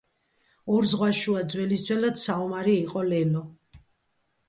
ორ ზღას შუა ძველისძველად საომარი იყო ლელო